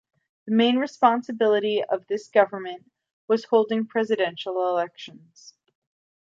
The main responsibility of this government was holding presidential elections.